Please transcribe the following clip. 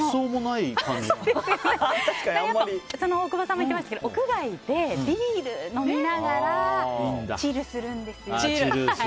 大久保さんも言ってましたけど屋外でビール飲みながらチルするんですよ。